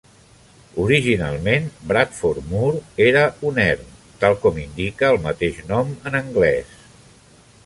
Originalment, Bradford Moor era un erm, tal com indica el mateix nom en anglès.